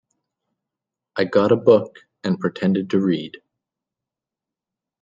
I got a book, and pretended to read.